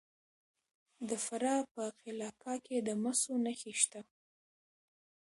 د فراه په قلعه کاه کې د مسو نښې شته.